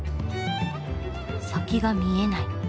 先が見えない。